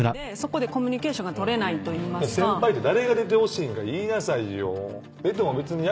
先輩って誰が出てほしいんか言いなさいよ。